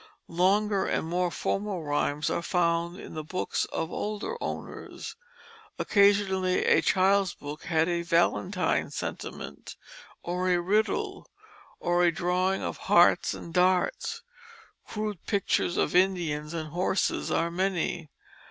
Longer and more formal rhymes are found in the books of older owners. Occasionally a child's book had a valentine sentiment, or a riddle, or a drawing of hearts and darts; crude pictures of Indians and horses are many.